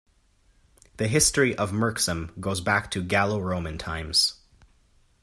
The history of Merksem goes back to Gallo-Roman times.